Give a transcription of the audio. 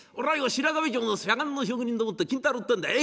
白壁町の左官の職人でもって金太郎ってんだい。